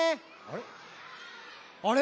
あれ？